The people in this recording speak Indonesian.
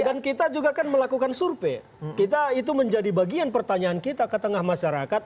dan kita juga kan melakukan survei kita itu menjadi bagian pertanyaan kita ke tengah masyarakat